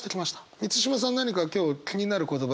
満島さん何か今日気になる言葉ありました？